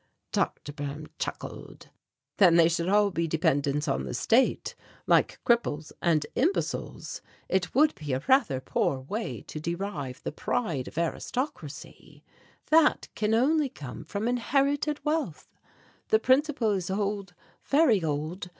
Dr. Boehm chuckled. "Then they should all be dependents on the state like cripples and imbeciles. It would be a rather poor way to derive the pride of aristocracy. That can only come from inherited wealth: the principle is old, very old.